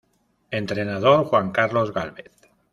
Entrenador: Juan Carlos Gálvez